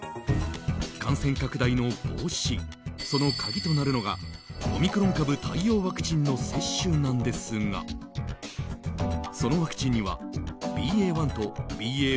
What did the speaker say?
感染拡大の防止その鍵となるのがオミクロン株対応ワクチンの接種なんですがそのワクチンにはＢＡ．１とＢＡ